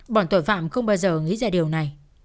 bọn tội phạm không bao giờ nghĩ ra điều này